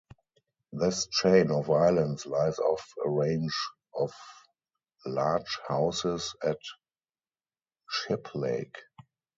This chain of islands lies off a range of large houses at Shiplake.